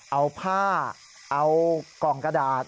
เอาผ้าเอากล่องกระดาษ